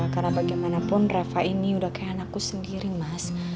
karena bagaimanapun reva ini udah kayak anakku sendiri mas